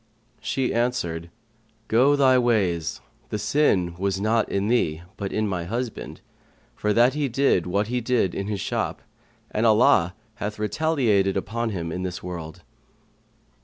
She answered, "Go thy ways, the sin was not in thee, but in my husband, for that he did what he did in his shop, and Allah hath retaliated upon him in this world."